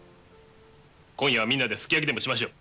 今夜はみんなですき焼きでもしましょう。